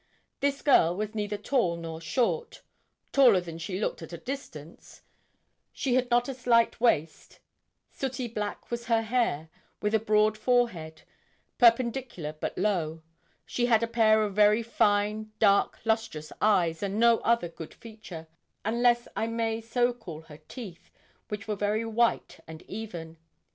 This girl was neither tall nor short taller than she looked at a distance; she had not a slight waist; sooty black was her hair, with a broad forehead, perpendicular but low; she had a pair of very fine, dark, lustrous eyes, and no other good feature unless I may so call her teeth, which were very white and even.